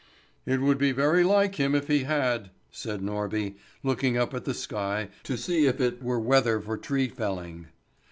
"It would be very like him if he had!" said Norby, looking up at the sky to see if it were weather for tree felling.